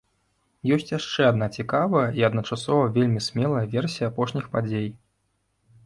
Ёсць яшчэ адна цікавая і адначасова вельмі смелая версія апошніх падзей.